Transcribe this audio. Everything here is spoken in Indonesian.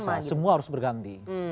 enggak bisa semua harus berganti